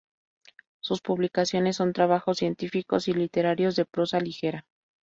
Sus publicaciones son trabajos científicos y literarios de prosa ligera.